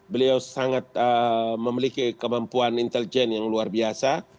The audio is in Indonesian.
beliau sangat memiliki kemampuan intelijen yang luar biasa